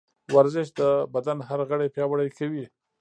ورزش د بدن هر غړی پیاوړی کوي.